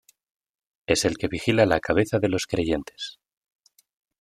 Es el que vigila la cabeza de los creyentes.